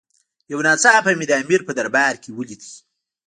یو ناڅاپه مې د امیر په دربار کې ولید.